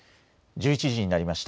１１時になりました。